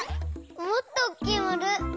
もっとおっきいまる！